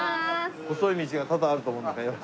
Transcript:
細い道が多々あると思うんですが。